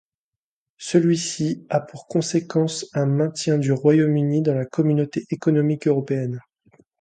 Celui-ci a pour conséquence un maintien du Royaume-Uni dans la Communauté économique européenne.